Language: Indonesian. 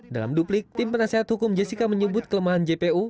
dalam duplik tim penasehat hukum jessica menyebut kelemahan jpu